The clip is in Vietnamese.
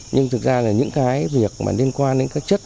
nhưng thực ra là những cái việc mà liên quan đến các chất